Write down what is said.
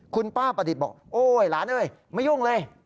คุณป้าประดิษฐ์บอกโอ๊ยหลานเอ้ยไม่ยุ่งเลย